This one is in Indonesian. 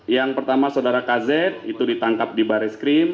yang pertama saudara kz itu ditangkap di baris krim